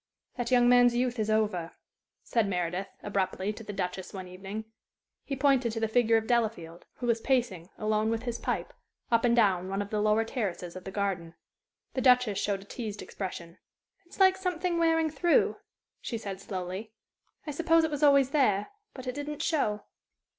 "That young man's youth is over," said Meredith, abruptly, to the Duchess one evening. He pointed to the figure of Delafield, who was pacing, alone with his pipe, up and down one of the lower terraces of the garden. The Duchess showed a teased expression. "It's like something wearing through," she said, slowly. "I suppose it was always there, but it didn't show."